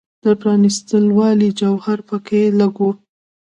د پرانیستوالي جوهر په کې لږ و.